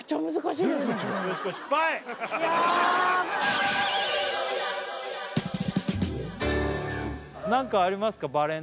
いやー何かありますか？